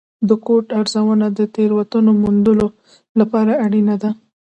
د کوډ ارزونه د تېروتنو موندلو لپاره اړینه ده.